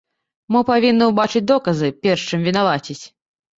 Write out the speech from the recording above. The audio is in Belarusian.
Мы павінны ўбачыць доказы, перш чым вінаваціць.